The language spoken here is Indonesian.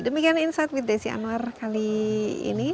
demikian insight with desi anwar kali ini